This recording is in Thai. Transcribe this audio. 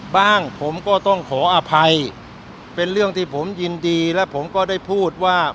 บ้างผมก็ต้องขออภัยเป็นเรื่องที่ผมยินดีและผมก็ได้พูดว่า